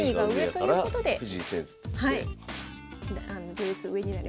序列上になります。